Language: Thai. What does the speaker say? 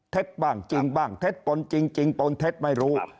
บ้างจริงบ้างเท็จปนจริงปนเท็จไม่รู้